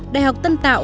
đại học tân tạo